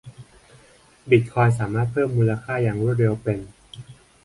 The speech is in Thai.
บิตคอยน์สามารถเพิ่มมูลค่าอย่างรวดเร็วเป็น